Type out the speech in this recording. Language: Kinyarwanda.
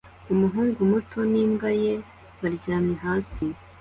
Umuhungu muto n'imbwa ye baryamye hasi